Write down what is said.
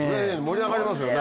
盛り上がりますよね。